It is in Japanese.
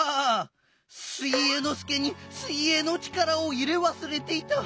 水泳ノ介に水泳の力を入れわすれていた。